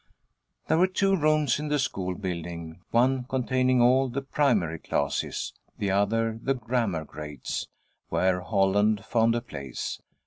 There were two rooms in the school building, one containing all the primary classes, the other the grammar grades, where Holland found a place.